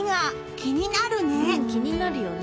気になるよね。